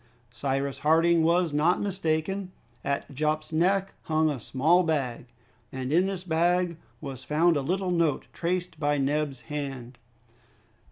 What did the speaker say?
Cyrus Harding was not mistaken. At Jup's neck hung a small bag, and in this bag was found a little note traced by Neb's hand.